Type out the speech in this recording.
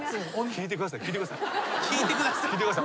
聞いてください。